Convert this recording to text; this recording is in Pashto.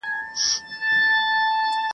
له کوم خیرات څخه به لوږه د چړي سړوو ..